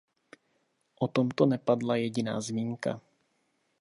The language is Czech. O tomto nepadla jediná zmínka.